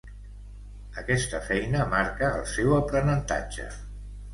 Aquesta feina marca el seu aprenentatge.